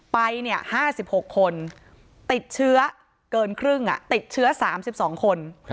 ไป๕๖คนติดเชื้อเกินครึ่งติดเชื้อ๓๒คน